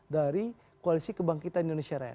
dari koalisi kebangkitan indonesia raya